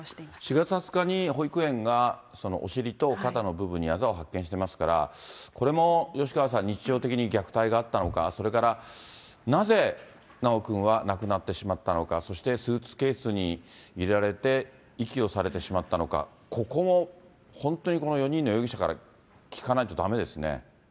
４月２０日に保育園がお尻と肩の部分にあざを発見していますから、これも吉川さん、日常的に虐待があったのか、それから、なぜ修くんは亡くなってしまったのか、そしてスーツケースに入れられて遺棄をされてしまったのか、ここも本当にこの４人の容疑者から聞かないとだめですね。